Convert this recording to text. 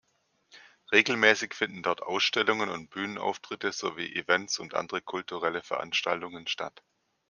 Regelmäßig finden dort Ausstellungen und Bühnenauftritte, sowie Events und andere kulturelle Veranstaltungen statt.